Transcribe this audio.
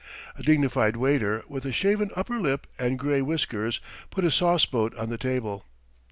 A dignified waiter with a shaven upper lip and grey whiskers put a sauceboat on the table.